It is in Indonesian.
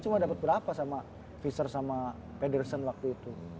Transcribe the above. cuma dapet berapa sama piser sama pedersen waktu itu